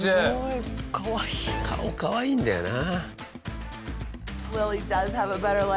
顔かわいいんだよな。